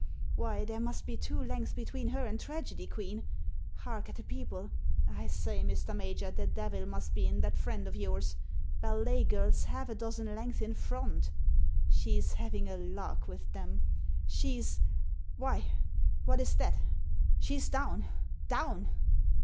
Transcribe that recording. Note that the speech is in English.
Why, there must be two lengths between her and Tragedy Queen ! Hark at the people! I say, Mr. Major, the devil must be in that friend of yours; Ballet Girl's half a dozen lengths in front! She's having a lark with them! She's — why! — what is that? She's down! down!